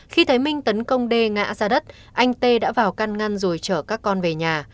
khi thấy minh tấn công đê ngã ra đất anh tê đã vào căn ngăn rồi chở các con về nhà